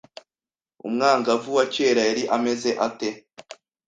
Umwangavu wa kera yari ameze ate?